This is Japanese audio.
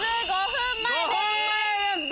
５分前です